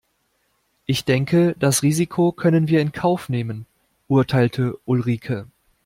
Ich denke das Risiko können wir in Kauf nehmen, urteilte Ulrike.